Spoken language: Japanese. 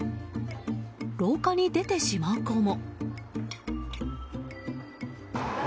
廊下に出てしまう子も。